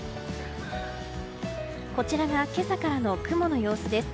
こちらが今朝からの雲の様子です。